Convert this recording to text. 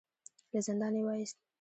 له زندانه يې وايست.